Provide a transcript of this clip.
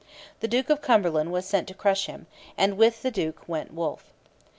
The Duke of Cumberland was sent to crush him; and with the duke went Wolfe.